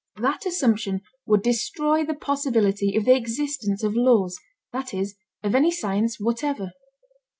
That assumption would destroy the possibility of the existence of laws, that is, of any science whatever.